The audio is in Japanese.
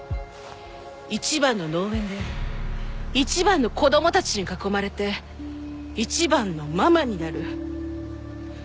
一番の農園で一番の子供たちに囲まれて一番のママになる。